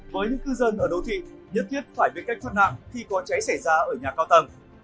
với những cư dân ở đô thị nhất thiết phải biết cách thoát nạn khi có cháy xảy ra ở nhà cao tầng